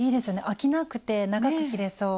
飽きなくて長く着れそう。